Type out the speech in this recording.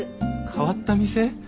変わった店？